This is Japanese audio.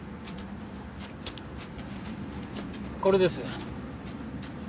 これです。